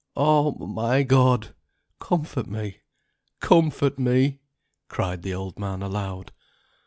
Oh, my God! comfort me, comfort me!" cried the old man aloud.